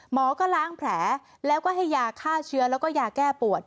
หมอก็ล้างแผลแล้วก็ให้ยาฆ่าเชื้อแล้วก็ยาแก้ปวด